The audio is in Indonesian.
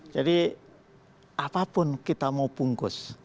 jadi apapun kita mau bungkus